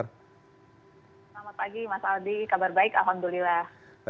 selamat pagi mas aldi kabar baik alhamdulillah